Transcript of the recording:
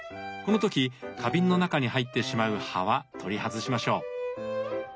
この時花瓶の中に入ってしまう葉は取り外しましょう。